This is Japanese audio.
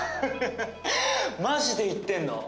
マジで言ってんの？